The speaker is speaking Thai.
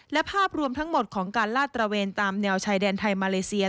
และภาพรวมทั้งหมดของการลาดตระเวนตามแนวชายแดนไทยมาเลเซีย